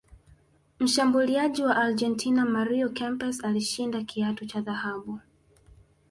mshambuliaji wa argentina mario Kempes alishinda kiatu cha dhahabu